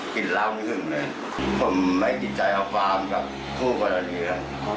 กลิ่นร้าวหนึ่งขึ้นเลยผมไม่ดีใจหาความกับผู้บรรณเรือ